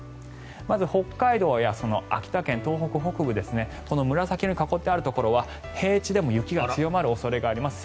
まず北海道や秋田県、東北北部紫色で囲っているところは平地でも雪が強まる恐れがあります。